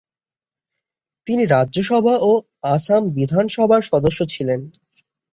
তিনি রাজ্যসভা ও আসাম বিধানসভার সদস্য ছিলেন।